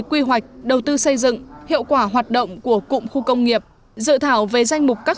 quy hoạch đầu tư xây dựng hiệu quả hoạt động của cụm khu công nghiệp dự thảo về danh mục các